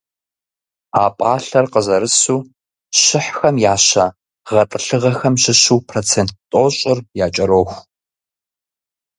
А пӀалъэр къызэрысу, щыхьхэм я щэ гъэтӏылъыгъэхэм щыщу процент тӀощӀыр якӀэроху.